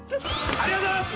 ありがとうございます！